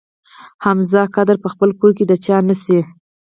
حمزه قدر په خپل کور کې د چا نه شي.